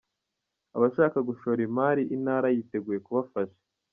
Abashaka gushora imari Intara yiteguye kubafasha